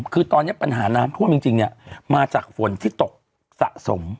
คือตอนเนี้ยปัญหาน้ำพ่วนจริงจริงเนี้ยมาจากฝนที่ตกสะสม